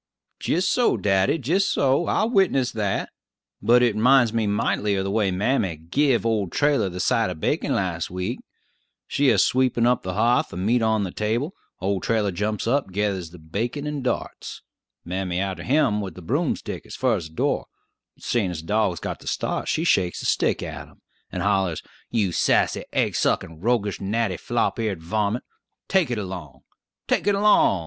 "Jist so, daddy; jist so; I'll witness that. But it 'minds me mightily of the way mammy give old Trailler the side of bacon last week. She a sweepin' up the h'a'th; the meat on the table; old Trailler jumps up, gethers the bacon, and darts! Mammy arter him with the broom stick as fur as the door, but seein' the dog has got the start, she shakes the stick at him, and hollers, 'You sassy, aigsukkin', roguish, gnatty, flop eared varmint! take it along! take it along!